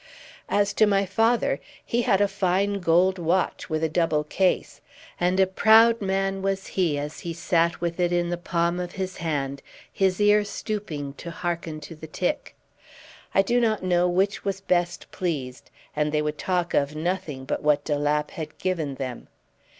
As to my father, he had a fine gold watch with a double case; and a proud man was he as he sat with it in the palm of his hand, his ear stooping to hearken to the tick. I do not know which was best pleased, and they would talk of nothing but what de Lapp had given them.